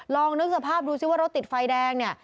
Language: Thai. ลองนึกสภาพดูซิว่ารถติดไฟแดงเนี่ย